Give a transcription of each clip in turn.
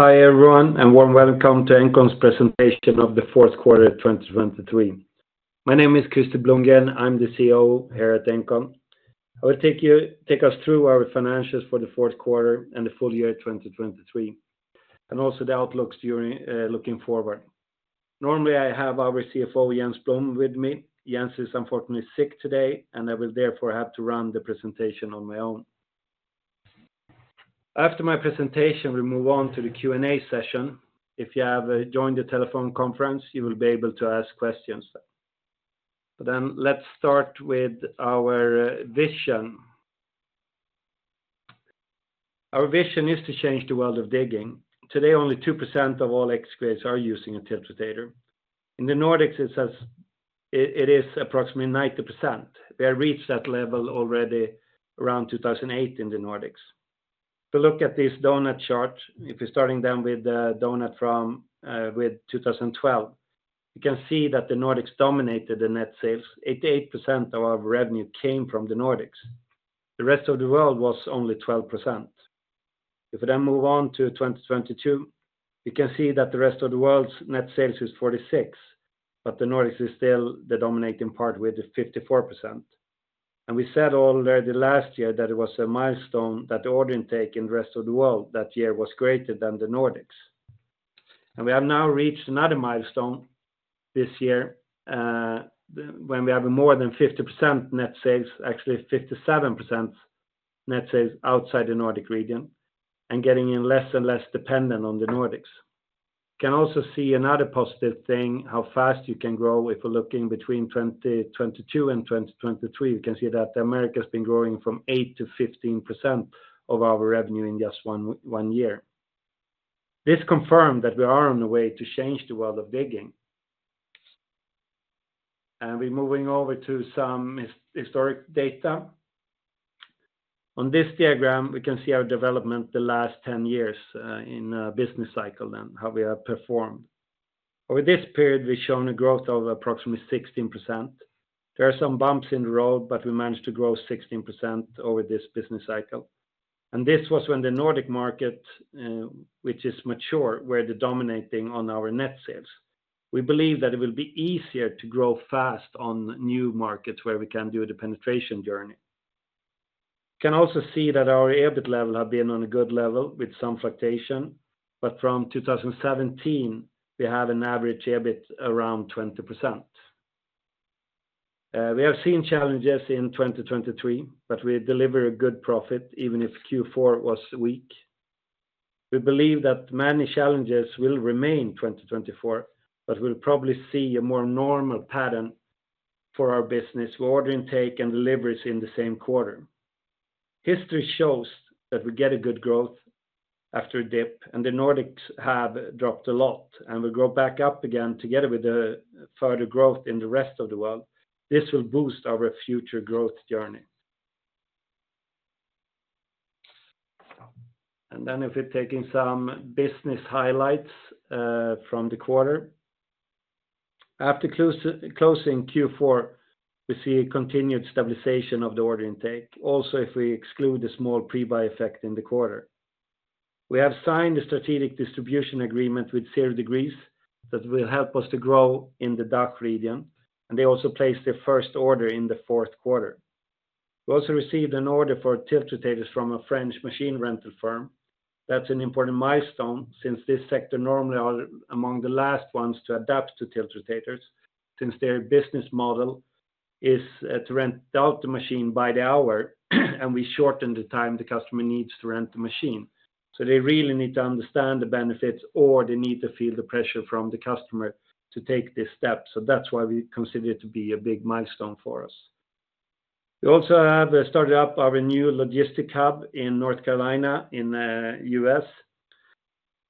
Hi, everyone, and warm welcome to engcon's presentation of the fourth quarter of 2023. My name is Krister Blomgren, I'm the CEO here at engcon. I will take us through our financials for the fourth quarter and the full year 2023, and also the outlooks during looking forward. Normally, I have our CFO, Jens Blom, with me. Jens is unfortunately sick today, and I will therefore have to run the presentation on my own. After my presentation, we move on to the Q&A session. If you have joined the telephone conference, you will be able to ask questions. But then let's start with our vision. Our vision is to change the world of digging. Today, only 2% of all excavators are using a tiltrotator. In the Nordics, it is approximately 90%. We have reached that level already around 2008 in the Nordics. If you look at this donut chart, if you're starting then with the donut from, with 2012, you can see that the Nordics dominated the net sales. 88% of our revenue came from the Nordics. The rest of the world was only 12%. If we then move on to 2022, you can see that the rest of the world's net sales is 46%, but the Nordics is still the dominating part with the 54%. And we said already last year that it was a milestone that the order intake in the rest of the world that year was greater than the Nordics. We have now reached another milestone this year, when we have more than 50% net sales, actually 57% net sales outside the Nordic region, and getting less and less dependent on the Nordics. You can also see another positive thing, how fast you can grow. If you're looking between 2022 and 2023, you can see that the America has been growing from 8%-15% of our revenue in just one year. This confirmed that we are on the way to change the world of digging. We're moving over to some historic data. On this diagram, we can see our development the last 10 years, in a business cycle and how we have performed. Over this period, we've shown a growth of approximately 16%. There are some bumps in the road, but we managed to grow 16% over this business cycle. This was when the Nordic market, which is mature, were the dominating on our net sales. We believe that it will be easier to grow fast on new markets where we can do the penetration journey. Can also see that our EBIT level have been on a good level with some fluctuation, but from 2017, we have an average EBIT around 20%. We have seen challenges in 2023, but we deliver a good profit, even if Q4 was weak. We believe that many challenges will remain in 2024, but we'll probably see a more normal pattern for our business with order intake and deliveries in the same quarter. History shows that we get a good growth after a dip, and the Nordics have dropped a lot, and we grow back up again together with the further growth in the rest of the world. This will boost our future growth journey. And then if we're taking some business highlights from the quarter. After closing Q4, we see a continued stabilization of the order intake, also, if we exclude the small pre-buy effect in the quarter. We have signed a strategic distribution agreement with Zero Degrees that will help us to grow in the DACH region, and they also placed their first order in the fourth quarter. We also received an order for tiltrotators from a French machine rental firm. That's an important milestone since this sector normally are among the last ones to adapt to tiltrotators, since their business model is to rent out the machine by the hour, and we shorten the time the customer needs to rent the machine. So they really need to understand the benefits, or they need to feel the pressure from the customer to take this step. So that's why we consider it to be a big milestone for us. We also have started up our new logistic hub in North Carolina in U.S.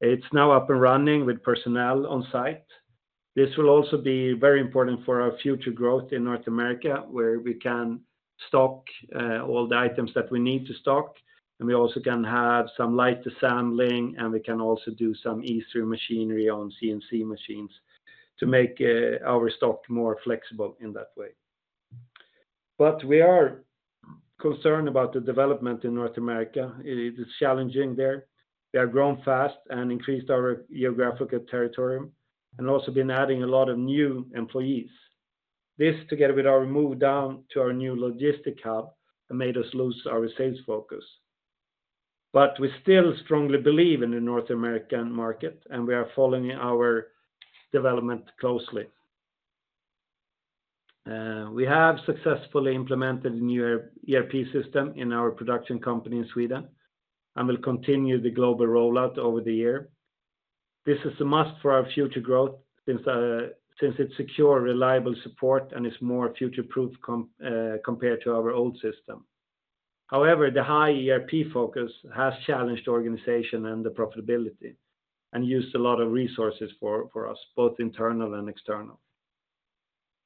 It's now up and running with personnel on site. This will also be very important for our future growth in North America, where we can stock all the items that we need to stock, and we also can have some light assembling, and we can also do some easier machinery on CNC machines to make our stock more flexible in that way. But we are concerned about the development in North America. It is challenging there. We have grown fast and increased our geographical territory, and also been adding a lot of new employees. This, together with our move down to our new logistic hub, made us lose our sales focus. But we still strongly believe in the North American market, and we are following our development closely. We have successfully implemented the new ERP system in our production company in Sweden, and we'll continue the global rollout over the year. This is a must for our future growth, since, since it's secure, reliable support and is more future-proof compared to our old system. However, the high ERP focus has challenged the organization and the profitability, and used a lot of resources for us, both internal and external.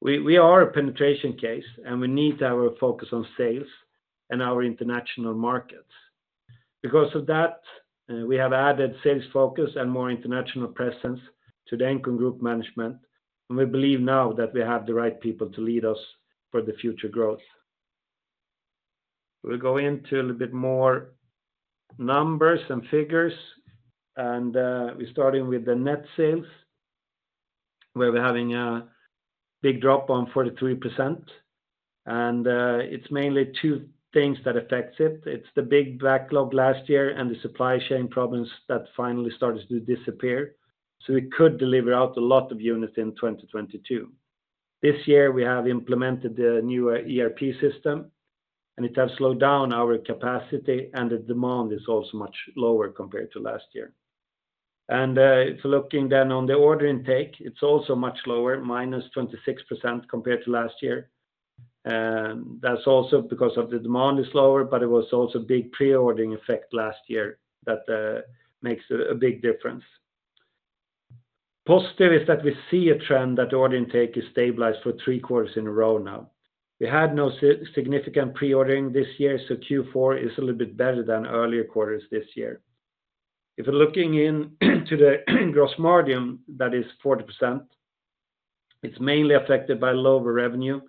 We are a penetration case, and we need our focus on sales and our international markets. Because of that, we have added sales focus and more international presence to the engcon group management, and we believe now that we have the right people to lead us for the future growth. We'll go into a little bit more numbers and figures, and, we're starting with the net sales, where we're having a big drop on 43%. It's mainly two things that affects it. It's the big backlog last year and the supply chain problems that finally started to disappear, so we could deliver out a lot of units in 2022. This year, we have implemented the new ERP system, and it has slowed down our capacity, and the demand is also much lower compared to last year. If looking then on the order intake, it's also much lower, -26% compared to last year. And that's also because of the demand is lower, but it was also a big pre-ordering effect last year that makes a big difference. Positive is that we see a trend that order intake is stabilized for three quarters in a row now. We had no significant pre-ordering this year, so Q4 is a little bit better than earlier quarters this year. If you're looking into the gross margin, that is 40%, it's mainly affected by lower revenue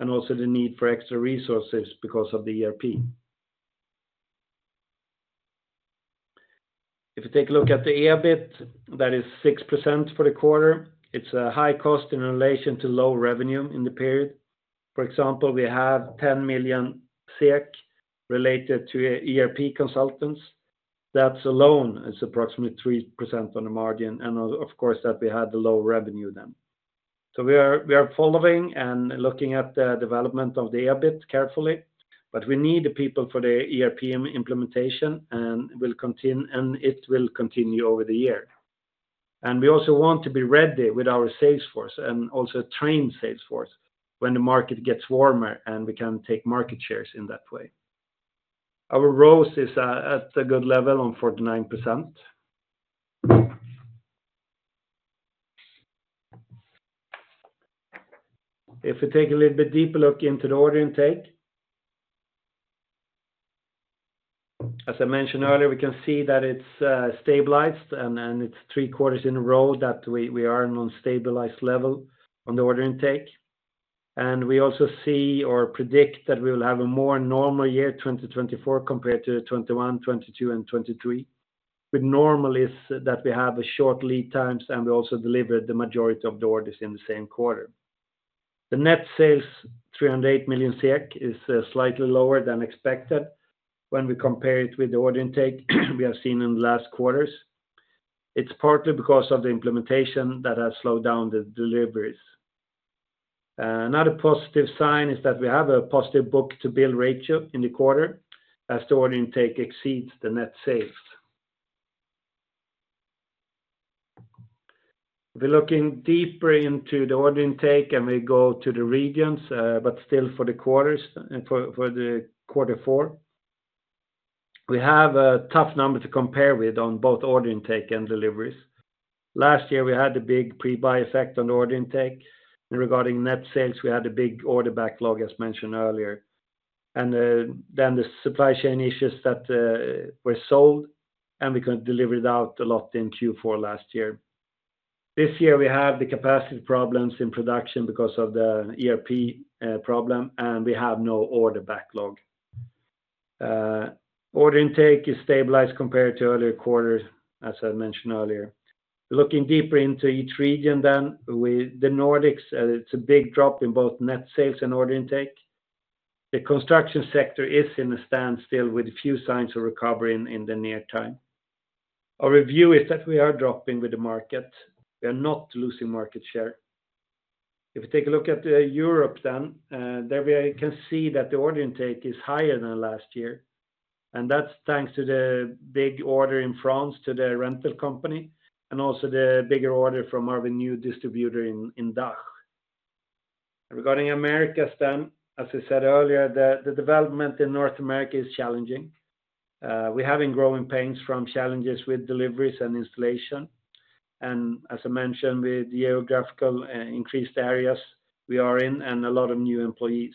and also the need for extra resources because of the ERP. If you take a look at the EBIT, that is 6% for the quarter. It's a high cost in relation to low revenue in the period. For example, we have 10 million SEK related to ERP consultants. That alone is approximately 3% on the margin, and of course, that we had the low revenue then. So we are following and looking at the development of the EBIT carefully, but we need the people for the ERP implementation, and will continue, and it will continue over the year. And we also want to be ready with our sales force and also train sales force when the market gets warmer, and we can take market shares in that way. Our ROCE is at a good level on 49%. If we take a little bit deeper look into the order intake, as I mentioned earlier, we can see that it's stabilized, and then it's three quarters in a row that we, we are on a stabilized level on the order intake. We also see or predict that we will have a more normal year, 2024, compared to 2021, 2022, and 2023. But normal is that we have short lead times, and we also deliver the majority of the orders in the same quarter. The net sales, 308 million SEK, is slightly lower than expected when we compare it with the order intake we have seen in the last quarters. It's partly because of the implementation that has slowed down the deliveries. Another positive sign is that we have a positive book-to-bill ratio in the quarter, as the order intake exceeds the net sales. We're looking deeper into the order intake, and we go to the regions, but still for the quarters, for the quarter four. We have a tough number to compare with on both order intake and deliveries. Last year, we had a big pre-buy effect on the order intake. Regarding net sales, we had a big order backlog, as mentioned earlier. Then the supply chain issues that were solved, and we could deliver it out a lot in Q4 last year. This year, we have the capacity problems in production because of the ERP problem, and we have no order backlog. Order intake is stabilized compared to earlier quarters, as I mentioned earlier. Looking deeper into each region then, with the Nordics, it's a big drop in both net sales and order intake. The construction sector is in a standstill with a few signs of recovery in the near time. Our review is that we are dropping with the market. We are not losing market share. If you take a look at Europe then, there we can see that the order intake is higher than last year, and that's thanks to the big order in France to the rental company, and also the bigger order from our new distributor in DACH. Regarding Americas, then, as I said earlier, the development in North America is challenging. We're having growing pains from challenges with deliveries and installation, and as I mentioned, with geographical increased areas we are in and a lot of new employees.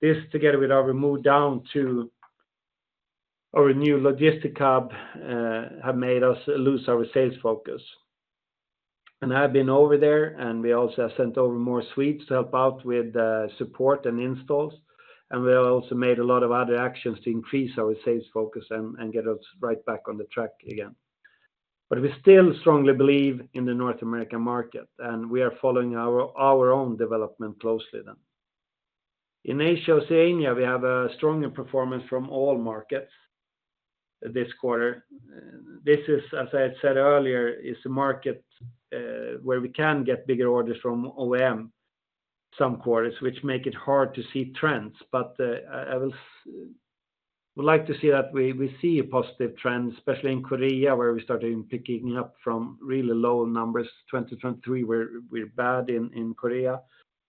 This, together with our move down to our new logistics hub, have made us lose our sales focus. I've been over there, and we also have sent over more Swedes to help out with support and installs. We also made a lot of other actions to increase our sales focus and get us right back on the track again. But we still strongly believe in the North American market, and we are following our own development closely then. In Asia/Oceania, we have a stronger performance from all markets this quarter. This is, as I said earlier, a market where we can get bigger orders from OEM some quarters, which make it hard to see trends. We'd like to see that we see a positive trend, especially in Korea, where we started picking up from really low numbers. 2023, we're bad in Korea,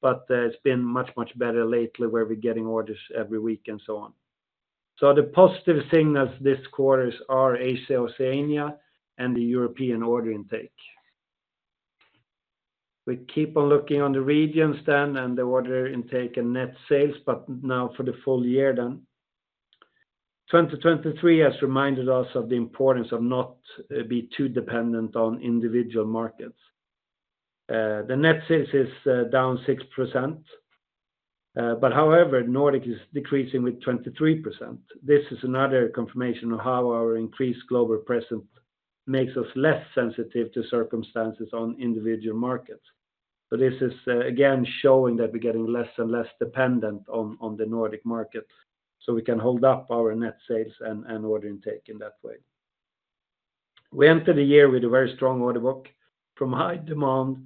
but it's been much, much better lately, where we're getting orders every week and so on. So the positive thing of this quarters are Asia/Oceania and the European order intake. We keep on looking on the regions then, and the order intake and net sales, but now for the full year then. 2023 has reminded us of the importance of not be too dependent on individual markets. The net sales is down 6%. But however, Nordic is decreasing with 23%. This is another confirmation of how our increased global presence makes us less sensitive to circumstances on individual markets. But this is, again, showing that we're getting less and less dependent on the Nordic market, so we can hold up our net sales and order intake in that way. We entered the year with a very strong order book from high demand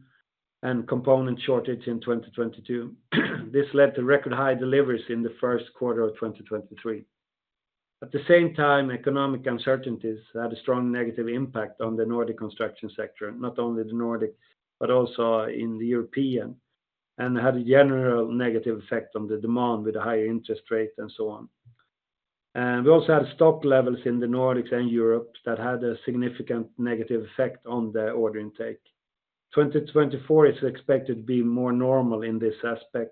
and component shortage in 2022. This led to record high deliveries in the first quarter of 2023. At the same time, economic uncertainties had a strong negative impact on the Nordic construction sector, not only the Nordic, but also in Europe, and had a general negative effect on the demand with a higher interest rate and so on. We also had stock levels in the Nordics and Europe that had a significant negative effect on the order intake. 2024 is expected to be more normal in this aspect,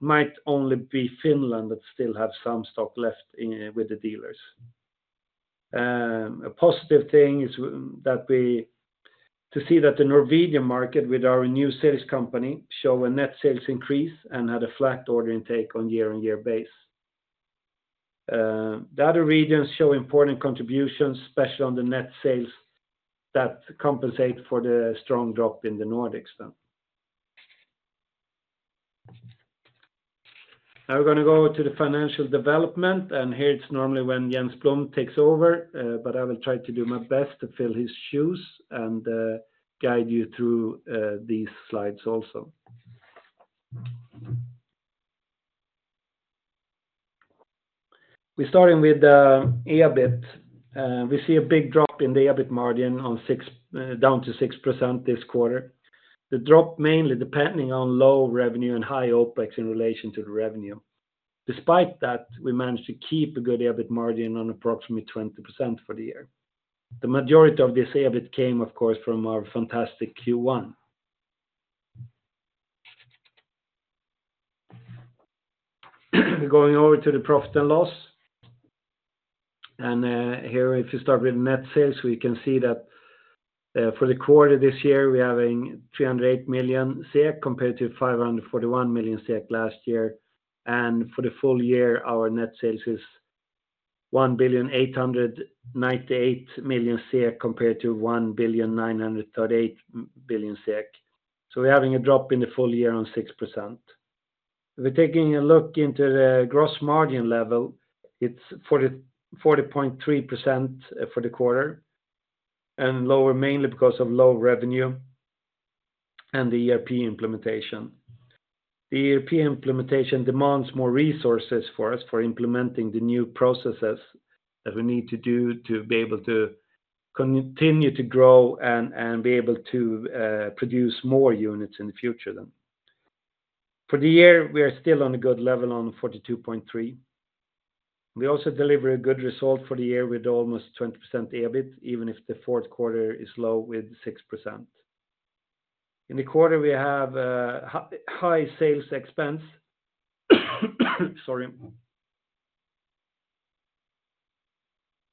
might only be Finland that still have some stock left in, with the dealers. A positive thing is that we see that the Norwegian market, with our new sales company, show a net sales increase and had a flat order intake on year-on-year basis. The other regions show important contributions, especially on the net sales, that compensate for the strong drop in the Nordics then. Now we're gonna go to the financial development, and here it's normally when Jens Blom takes over, but I will try to do my best to fill his shoes and guide you through these slides also. We're starting with the EBIT. We see a big drop in the EBIT margin on 6, down to 6% this quarter. The drop mainly depending on low revenue and high OpEx in relation to the revenue. Despite that, we managed to keep a good EBIT margin on approximately 20% for the year. The majority of this EBIT came, of course, from our fantastic Q1. Going over to the profit and loss. Here, if you start with net sales, we can see that, for the quarter this year, we're having 308 million SEK, compared to 541 million SEK last year. And for the full year, our net sales is 1,898 million SEK, compared to 1,938 million SEK. So we're having a drop in the full year on 6%. If we're taking a look into the gross margin level, it's 40.3% for the quarter, and lower, mainly because of low revenue and the ERP implementation. The ERP implementation demands more resources for us, for implementing the new processes that we need to do to be able to continue to grow and, and be able to, produce more units in the future then. For the year, we are still on a good level on 42.3. We also deliver a good result for the year with almost 20% EBIT, even if the fourth quarter is low with 6%. In the quarter, we have high sales expense, sorry,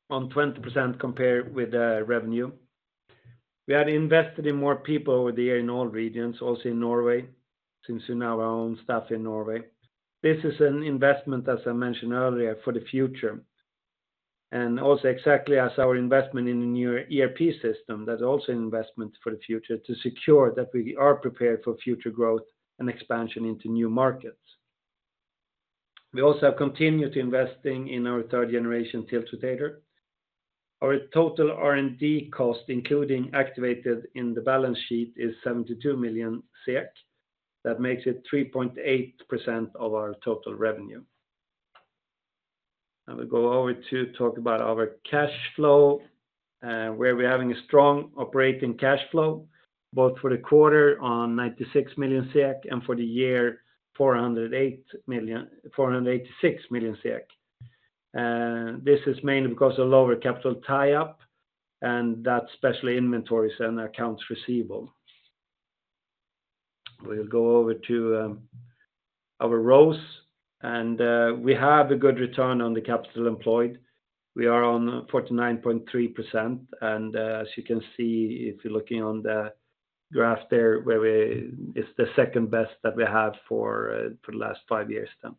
on 20% compared with the revenue. We had invested in more people over the year in all regions, also in Norway, since we now own staff in Norway. This is an investment, as I mentioned earlier, for the future, and also exactly as our investment in the new ERP system, that's also an investment for the future, to secure that we are prepared for future growth and expansion into new markets. We also have continued investing in our third generation tiltrotator. Our total R&D cost, including activated in the balance sheet, is 72 million SEK. That makes it 3.8% of our total revenue. I will go over to talk about our cash flow, where we're having a strong operating cash flow, both for the quarter on 96 million SEK, and for the year, 486 million SEK. This is mainly because of lower capital tie-up, and that's especially inventories and accounts receivable. We'll go over to our ROAS, and we have a good return on the capital employed. We are on 49.3%, and as you can see, if you're looking on the graph there, where it's the second best that we have for the last five years then.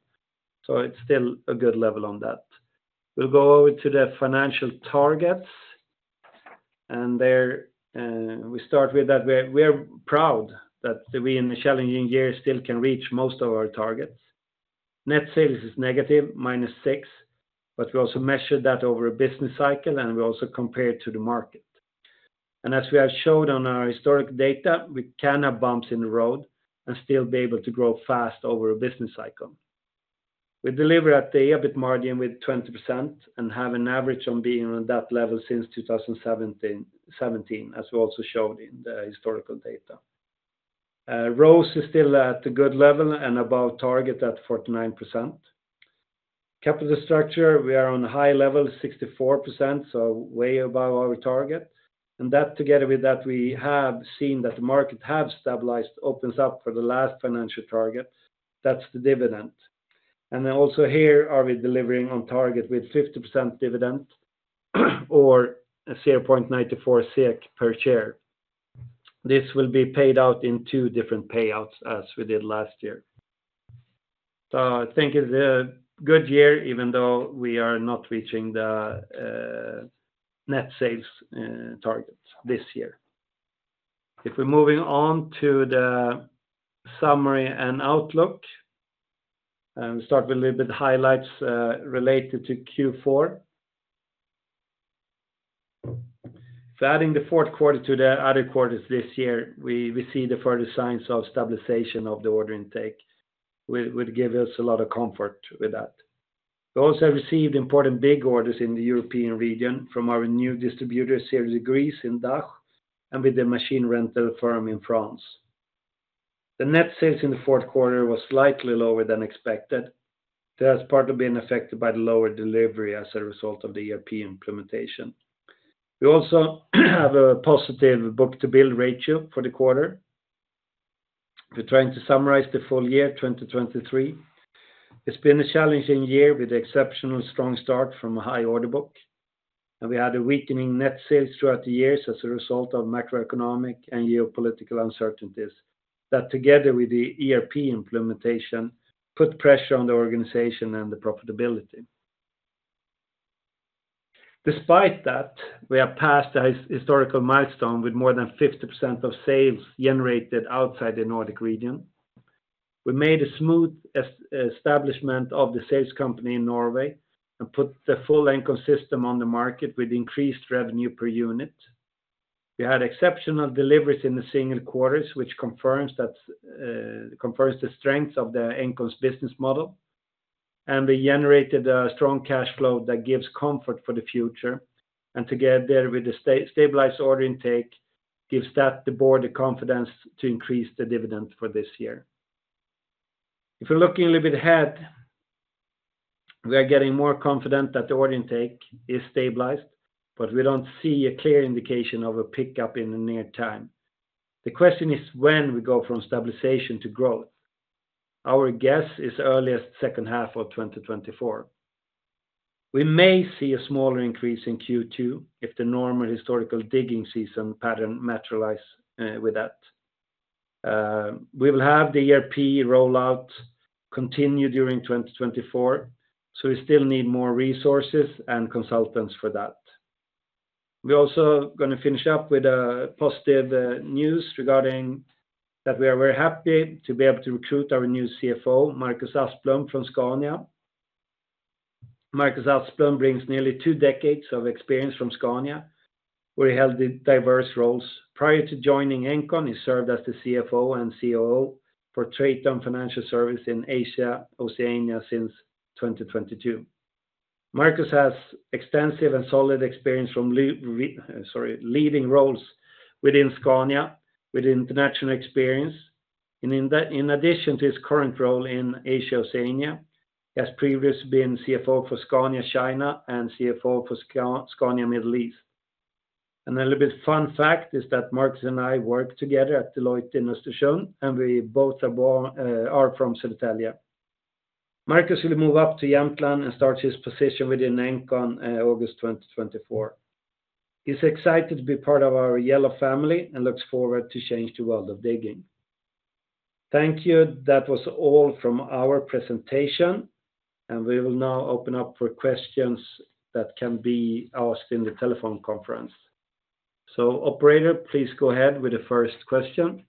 So it's still a good level on that. We'll go over to the financial targets, and there, we start with that we're proud that we, in a challenging year, still can reach most of our targets. Net sales is negative, -6%, but we also measured that over a business cycle, and we also compare it to the market. And as we have showed on our historic data, we can have bumps in the road and still be able to grow fast over a business cycle. We deliver at the EBIT margin with 20% and have an average on being on that level since 2017, as we also showed in the historical data. ROAS is still at a good level and above target at 49%. Capital structure, we are on a high level, 64%, so way above our target. And that, together with that, we have seen that the market has stabilized, opens up for the last financial target. That's the dividend... And then also here, are we delivering on target with 50% dividend or a 0.94 SEK per share. This will be paid out in two different payouts as we did last year. I think it's a good year, even though we are not reaching the net sales targets this year. If we're moving on to the summary and outlook, and start with a little bit highlights related to Q4. So adding the fourth quarter to the other quarters this year, we see the further signs of stabilization of the order intake, will give us a lot of comfort with that. We also have received important big orders in the European region from our new distributor Zero Degrees in DACH, and with the machine rental firm in France. The net sales in the fourth quarter was slightly lower than expected. That's part of being affected by the lower delivery as a result of the ERP implementation. We also have a positive book-to-bill ratio for the quarter. We're trying to summarize the full year, 2023. It's been a challenging year with exceptional strong start from a high order book, and we had a weakening net sales throughout the years as a result of macroeconomic and geopolitical uncertainties that together with the ERP implementation put pressure on the organization and the profitability. Despite that, we have passed a historical milestone with more than 50% of sales generated outside the Nordic region. We made a smooth establishment of the sales company in Norway, and put the full engcon system on the market with increased revenue per unit. We had exceptional deliveries in the single quarters, which confirms the strengths of engcon's business model, and we generated a strong cash flow that gives comfort for the future, and together with the stabilized order intake, gives that the board the confidence to increase the dividend for this year. If you're looking a little bit ahead, we are getting more confident that the order intake is stabilized, but we don't see a clear indication of a pickup in the near time. The question is when we go from stabilization to growth? Our guess is earliest second half of 2024. We may see a smaller increase in Q2, if the normal historical digging season pattern materialize with that. We will have the ERP rollout continue during 2024, so we still need more resources and consultants for that. We're also gonna finish up with a positive news regarding that we are very happy to be able to recruit our new CFO, Marcus Asplund, from Scania. Marcus Asplund brings nearly two decades of experience from Scania, where he held the diverse roles. Prior to joining engcon, he served as the CFO and COO for Traton Financial Services in Asia/Oceania since 2022. Marcus has extensive and solid experience from leading roles within Scania, with international experience. In addition to his current role in Asia/Oceania, he has previously been CFO for Scania China and CFO for Scania Middle East. A little bit fun fact is that Marcus and I worked together at Deloitte, Industry, and we both are from Södertälje. Marcus will move up to Jämtland and start his position within engcon August 2024. He's excited to be part of our yellow family and looks forward to change the world of digging. Thank you, that was all from our presentation, and we will now open up for questions that can be asked in the telephone conference. Operator, please go ahead with the first question.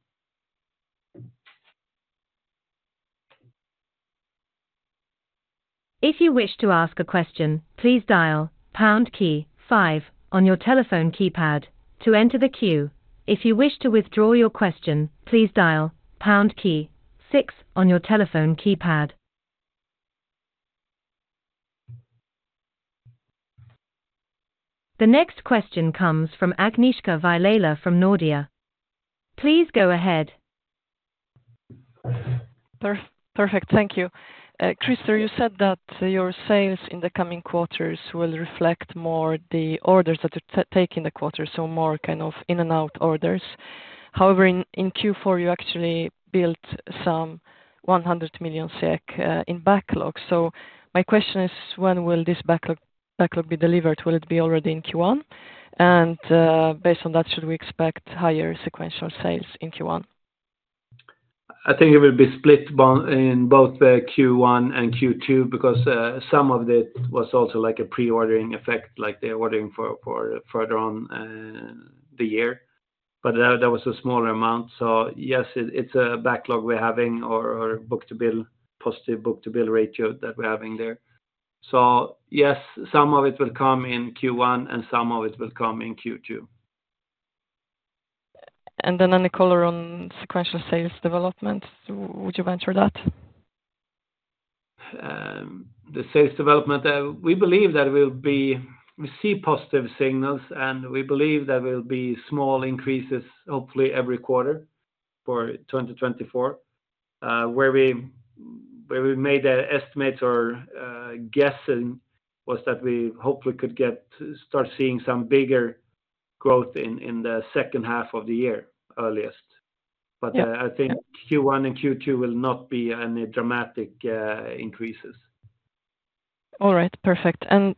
If you wish to ask a question, please dial pound key five on your telephone keypad to enter the queue. If you wish to withdraw your question, please dial pound key six on your telephone keypad. The next question comes from Agnieszka Vilela from Nordea. Please go ahead. Perfect. Thank you. Krister, you said that your sales in the coming quarters will reflect more the orders that are taken in the quarter, so more kind of in and out orders. However, in Q4, you actually built some 100 million SEK in backlog. So my question is, when will this backlog be delivered? Will it be already in Q1? And based on that, should we expect higher sequential sales in Q1? I think it will be split in both the Q1 and Q2, because some of it was also like a pre-ordering effect, like they're ordering for further on the year. But that was a smaller amount. So yes, it's a backlog we're having or book-to-bill, positive book-to-bill ratio that we're having there. So yes, some of it will come in Q1 and some of it will come in Q2. Any color on sequential sales development, would you venture that? The sales development, we believe that it will be. We see positive signals, and we believe there will be small increases, hopefully every quarter for 2024. Where we made the estimates guessing was that we hopefully could get to start seeing some bigger growth in the second half of the year, earliest. Yeah. I think Q1 and Q2 will not be any dramatic increases. All right. Perfect. And,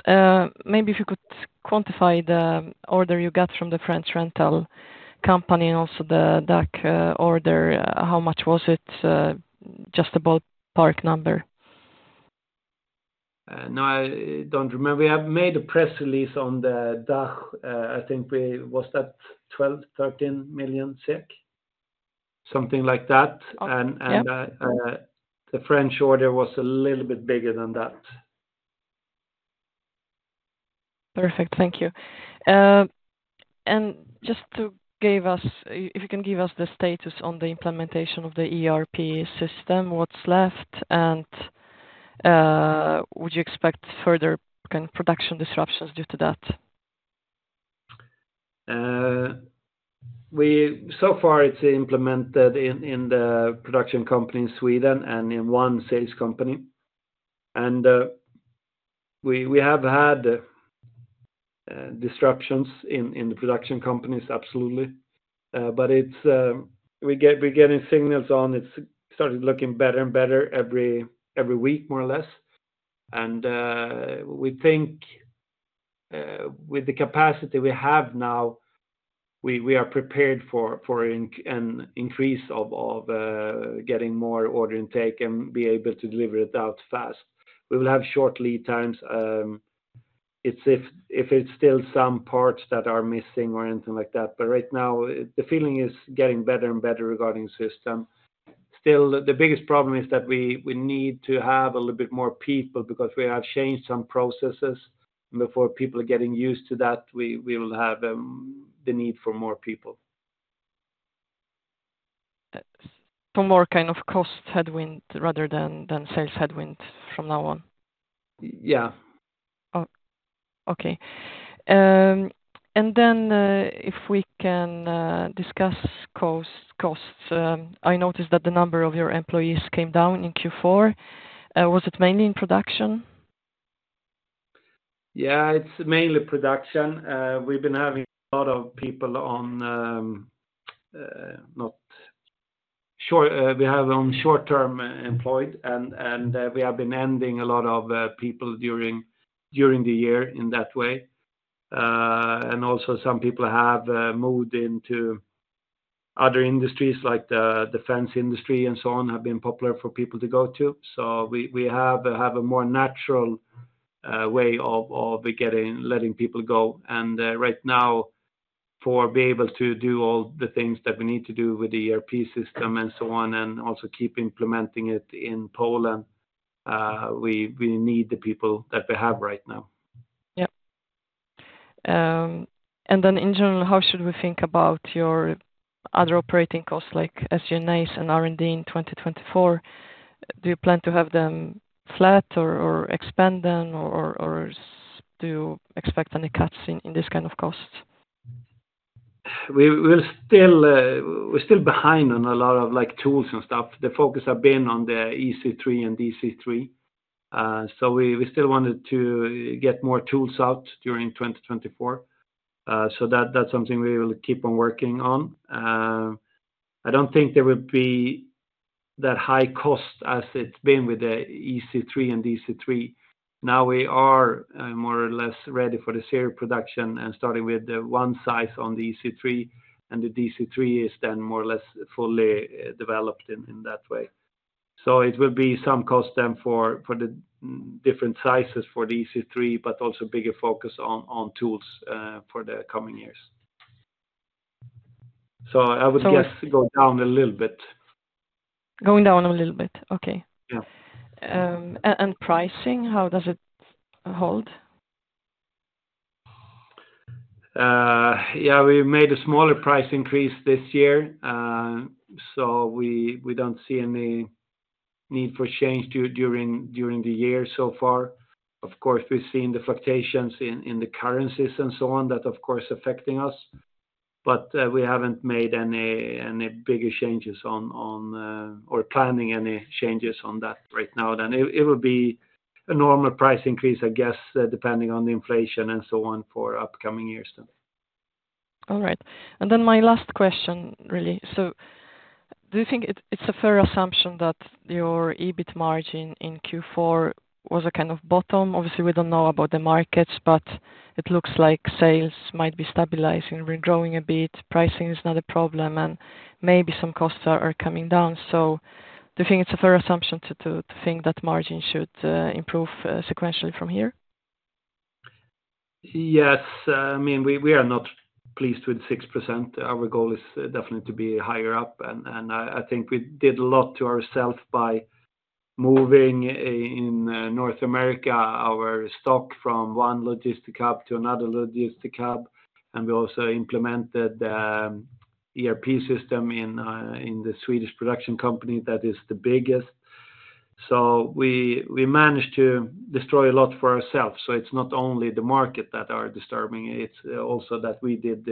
maybe if you could quantify the order you got from the French rental company and also the DACH order, how much was it, just about park number? No, I don't remember. We have made a press release on the DACH. I think, was that 12 million-13 million? Something like that. Okay. Yeah. The French order was a little bit bigger than that. Perfect. Thank you. And just to give us, if you can give us the status on the implementation of the ERP system, what's left, and would you expect further kind of production disruptions due to that? So far, it's implemented in the production company in Sweden and in one sales company. And we have had disruptions in the production companies, absolutely. But it's, we're getting signals on it, started looking better and better every week, more or less. And we think, with the capacity we have now, we are prepared for an increase of getting more order intake and be able to deliver it out fast. We will have short lead times, it's if it's still some parts that are missing or anything like that. But right now, the feeling is getting better and better regarding system. Still, the biggest problem is that we need to have a little bit more people because we have changed some processes, and before people are getting used to that, we will have the need for more people. Some more kind of cost headwind rather than sales headwind from now on? Yeah. Oh, okay. If we can discuss cost, costs. I noticed that the number of your employees came down in Q4. Was it mainly in production? Yeah, it's mainly production. We've been having a lot of people on short-term employed, and we have been ending a lot of people during the year in that way. And also some people have moved into other industries, like the defense industry and so on, have been popular for people to go to. So we have a more natural way of letting people go. And right now, to be able to do all the things that we need to do with the ERP system and so on, and also keep implementing it in Poland, we need the people that we have right now. Yeah. And then in general, how should we think about your other operating costs, like SG&As and R&D in 2024? Do you plan to have them flat or expand them, or do you expect any cuts in this kind of costs? We're still behind on a lot of, like, tools and stuff. The focus have been on the EC3 and DC3. So we still wanted to get more tools out during 2024. So that, that's something we will keep on working on. I don't think there will be that high cost as it's been with the EC3 and DC3. Now we are more or less ready for the serial production and starting with the one size on the EC3, and the DC3 is then more or less fully developed in that way. So it will be some cost then for the different sizes for the EC3, but also bigger focus on tools for the coming years. So I would- So- Guess to go down a little bit. Going down a little bit. Okay. Yeah. And pricing, how does it hold? Yeah, we made a smaller price increase this year. So we don't see any need for change during the year so far. Of course, we've seen the fluctuations in the currencies and so on, that, of course, affecting us. But we haven't made any bigger changes on or planning any changes on that right now. Then it would be a normal price increase, I guess, depending on the inflation and so on for upcoming years then. All right. Then my last question, really: So do you think it's a fair assumption that your EBIT margin in Q4 was a kind of bottom? Obviously, we don't know about the markets, but it looks like sales might be stabilizing, regrowing a bit, pricing is not a problem, and maybe some costs are coming down. So do you think it's a fair assumption to think that margin should improve sequentially from here? Yes. I mean, we are not pleased with 6%. Our goal is definitely to be higher up, and I think we did a lot to ourselves by moving in North America our stock from one logistic hub to another logistic hub, and we also implemented ERP system in the Swedish production company, that is the biggest. So we managed to destroy a lot for ourselves. So it's not only the market that are disturbing, it's also that we did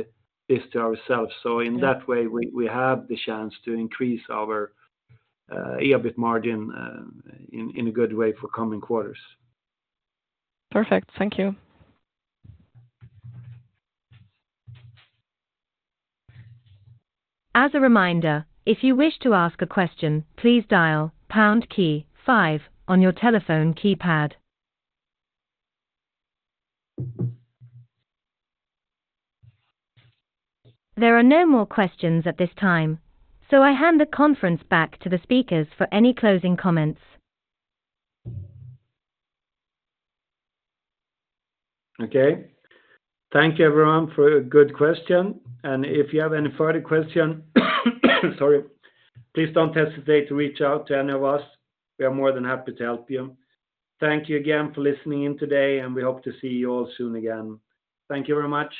this to ourselves. Yeah. So in that way, we have the chance to increase our EBIT margin, in a good way for coming quarters. Perfect. Thank you. As a reminder, if you wish to ask a question, please dial pound key five on your telephone keypad. There are no more questions at this time, so I hand the conference back to the speakers for any closing comments. Okay. Thank you, everyone, for a good question, and if you have any further question, sorry, please don't hesitate to reach out to any of us. We are more than happy to help you. Thank you again for listening in today, and we hope to see you all soon again. Thank you very much.